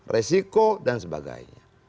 resiko dan sebagainya